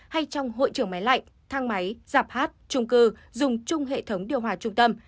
hay trong hội trưởng máy lạnh thang máy giặp hát trung cư dùng chung hệ thống điều hòa trung tâm